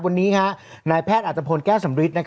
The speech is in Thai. วันนี้นายแพทย์อัตภพลแก้วสำริท